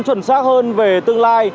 chuẩn xác hơn về tương lai